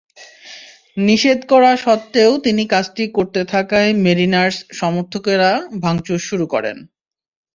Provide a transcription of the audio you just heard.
নিষেধ করা সত্ত্বেও তিনি কাজটি করতে থাকায় মেরিনার্স সমর্থকেরা ভাঙচুর শুরু করেন।